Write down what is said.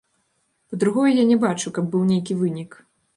Па-другое, я не бачу, каб быў нейкі вынік.